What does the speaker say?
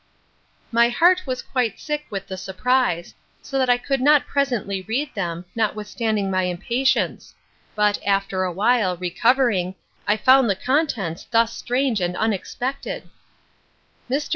My heart was quite sick with the surprise, so that I could not presently read them, notwithstanding my impatience; but, after a while, recovering, I found the contents thus strange and unexpected: 'MR.